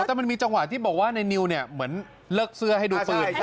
แต่มันมีจังหวะที่บอกว่าในนิวเนี่ยเหมือนเลิกเสื้อให้ดูปืน